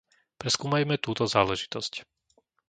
Preskúmajme túto záležitosť.